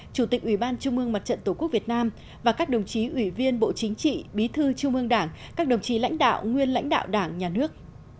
chủ tịch ủy ban trung mương mặt trận tổ quốc việt nam và các đồng chí ủy viên bộ chính trị bí thư trung ương đảng các đồng chí lãnh đạo nguyên lãnh đạo đảng nhà nước